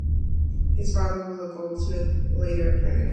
His father was a goldsmith, later a printer.